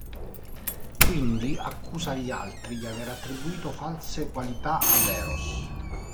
Quindi accusa gli altri di aver attribuito false qualità ad Eros.